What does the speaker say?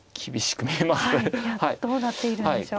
どうなっているんでしょう。